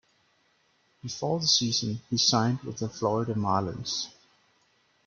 Before the season, he signed with the Florida Marlins.